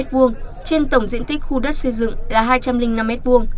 trên tổng diện tích khu đất xây dựng là hai trăm linh năm m hai